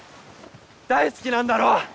大好きなんだろ？